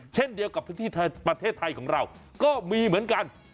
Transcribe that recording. เช่นเดียวกับพื้นที่ประเทศไทยของเราก็มีเหมือนกัน